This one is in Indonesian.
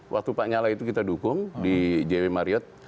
waktu pak lanyala itu kita dukung di jw marriot